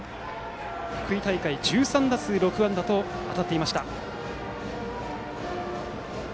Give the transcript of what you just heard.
福井大会は１３打数６安打と当たっていました。